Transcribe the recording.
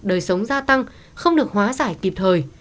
đời sống gia tăng không được hóa giải kịp thời